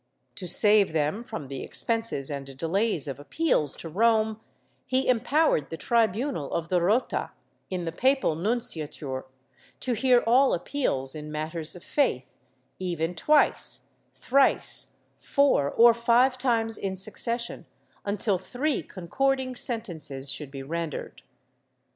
To save them from the expenses and delays of appeals to Rome, he empowered the tribunal of the Rota, in the papal nunciature, to hear all appeals in matters of faith, even twice, thrice, four or five times in succession, until three concording sentences should be rendered.